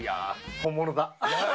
本物だ。